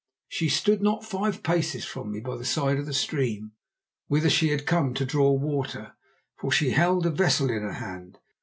She stood not five paces from me, by the side of the stream, whither she had come to draw water, for she held a vessel in her hand.